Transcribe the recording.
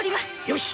よし。